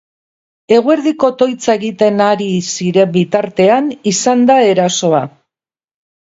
Eguerdiko otoitza egiten ari ziren bitartean izan da erasoa.